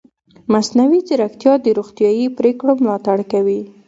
مصنوعي ځیرکتیا د روغتیايي پریکړو ملاتړ کوي.